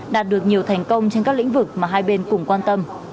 đạt được nhiều thành công trên các lĩnh vực mà hai bên cùng quan tâm